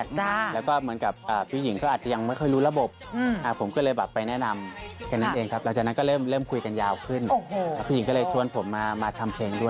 คนต้นรับผู้หญิงลีสีชุมพลและเพชรภูมิภัว